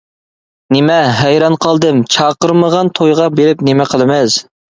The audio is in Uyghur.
— نېمە؟ — ھەيران قالدىم، — چاقىرمىغان تويغا بېرىپ نېمە قىلىمىز.